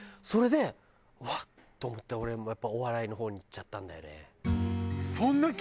それで「うわっ！」と思って俺もやっぱりお笑いの方に行っちゃったんだよね。